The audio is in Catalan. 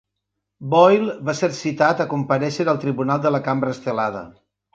Boyle va ser citat a comparèixer al tribunal de la Cambra Estelada.